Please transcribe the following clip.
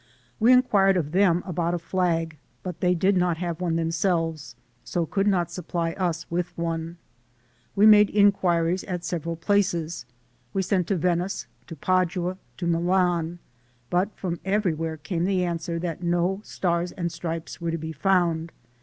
We inquired of them about a flag, but they did not have one themselves, so could not supply us with one. We made inquiries at several places, we sent to Venice, to Padua, to Milan, but from every where came the answer that no Stars and Stripes were to be found.